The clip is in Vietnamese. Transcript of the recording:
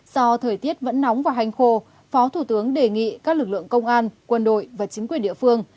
do thời tiết vẫn nóng và hành khô phó thủ tướng đề nghị các lực lượng công an quân đội và chính quyền địa phương